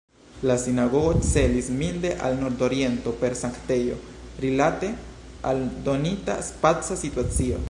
La sinagogo celis milde al nordoriento per sanktejo, rilate al donita spaca situacio.